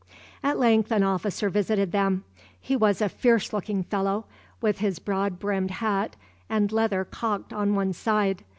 At length an officer visited them. He was a fierce looking fellow, with his broad brimmed hat and leather cocked on one side.